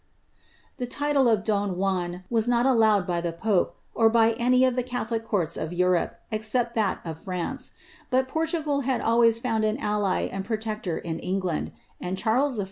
'' he title of don Juan was not allowed by the pope, or by any of the >lie courts of Europe, except that of France; but Portugal had 78 found an ally and protector in England ; and Charles I.